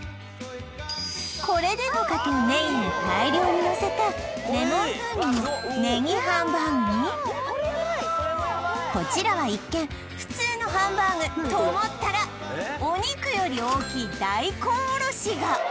これでもかとネギを大量にのせたレモン風味のねぎハンバーグにこちらは一見普通のハンバーグと思ったらお肉より大きい大根おろしが！